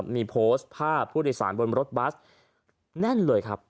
มีโพสต์ภาพผู้โดยสารบนรถบัสแน่นเลยครับ